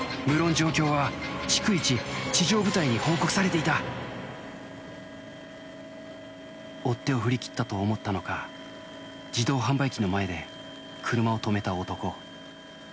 状況は逐一地上部隊に報告されていた追っ手を振り切ったと思ったのか自動販売機の前で車を止めた男